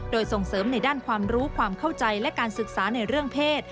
โดยส่งเสริมในด้านความรู้ความเข้าใจและการศึกษาในเรื่องเพศ